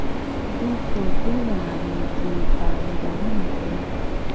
دوی په ټوله نړۍ کې پانګونه کوي.